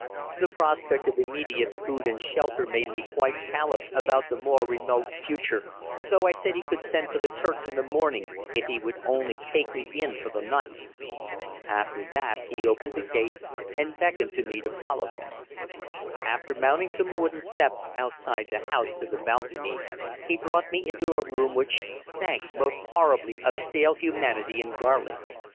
The prospect of immediate food and shelter made me quite callous about the more remote future, so I said he could send for the Turks in the morning if he would only take me in for the night. At that he opened the gate and beckoned to me to follow him. After mounting some wooden steps outside the house to the balcony he brought me into a room which stank most horribly of stale humanity and garlic.